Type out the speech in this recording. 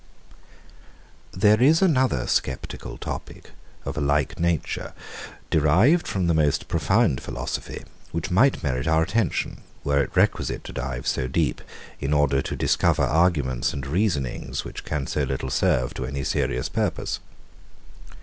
122. There is another sceptical topic of a like nature, derived from the most profound philosophy; which might merit our attention, were it requisite to dive so deep, in order to discover arguments and reasonings, which can so little serve to any serious purpose.